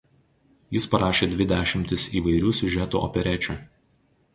Jis parašė dvi dešimtis įvairių siužetų operečių.